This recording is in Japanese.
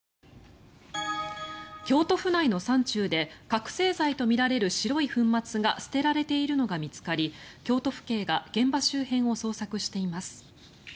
京都府内の山中で覚醒剤とみられる白い粉末が捨てられているのが見つかり京都府警が現場周辺を捜索しています。